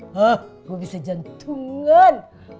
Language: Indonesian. hah gue bisa jantungan